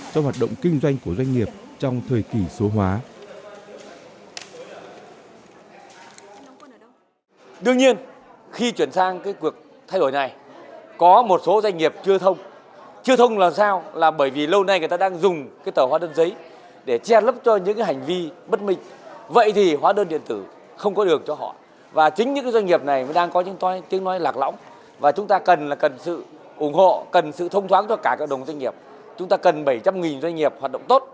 cho hoạt động kinh doanh của doanh nghiệp trong thời kỳ số hóa